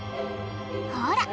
ほら！